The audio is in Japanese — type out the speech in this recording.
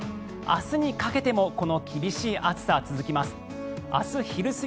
明日にかけてもこの厳しい暑さは続きます。